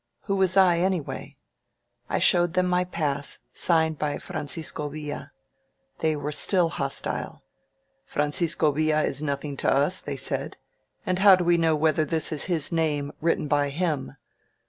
Who was I, anyway? I showed them my pass, signed by Francisco Villa. They were stiU hostile. "Francisco Villa is nothing to us,", they said. "And how do we know whether this is his name, written by him?